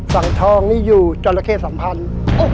สังทองนี่อยู่จราเข้สัมพันธ์